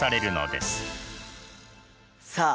さあ